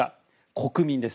国民です。